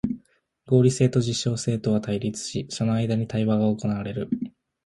合理性と実証性とは対立し、その間に対話が行われる。